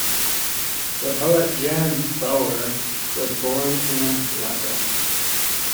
The poet Jan Boer was born in Rottum.